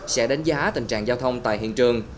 sẽ đánh giá tình trạng giao thông tại hiện trường